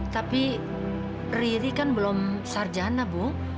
tapi riri kan belum sarjana bu